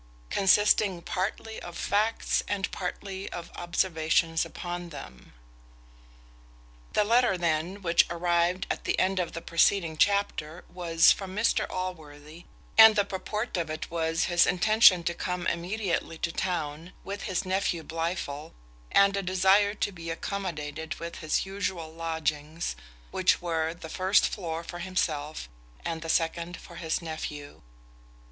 Consisting partly of facts, and partly of observations upon them. The letter then which arrived at the end of the preceding chapter was from Mr Allworthy, and the purport of it was, his intention to come immediately to town, with his nephew Blifil, and a desire to be accommodated with his usual lodgings, which were the first floor for himself, and the second for his nephew.